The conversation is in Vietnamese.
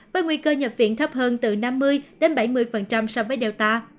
với nguy cơ nhập viện thấp hơn từ năm mươi đến bảy mươi so với delta